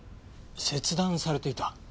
切断されていた。